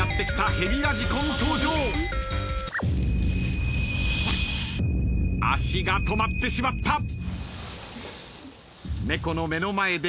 降りてしまった。